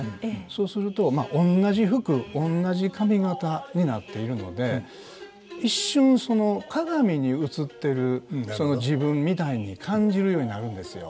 そうするとまあおんなじ服おんなじ髪型になっているので一瞬その鏡に映ってるその自分みたいに感じるようになるんですよ。